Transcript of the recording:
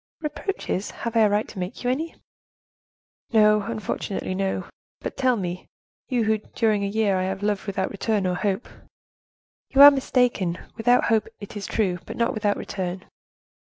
"Reproaches! Have I a right to make you any?" "No, unfortunately, no; but tell me, you, who during a year I have loved without return or hope—" "You are mistaken—without hope it is true, but not without return."